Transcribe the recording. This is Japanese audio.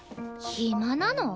暇なの？